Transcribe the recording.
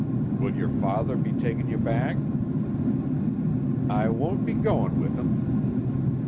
"Will your father be takin' you back?" "I won't be goin' with him."